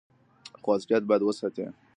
خو اصليت بايد وساتي.